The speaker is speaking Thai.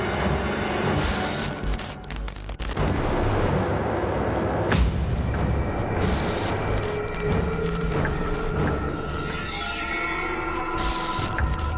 อีวิธีสุดท้อง